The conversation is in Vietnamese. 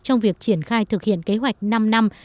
trong việc triển khai thực hiện kế hoạch năm năm